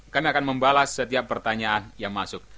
kami akan membalas setiap pertanyaan yang masuk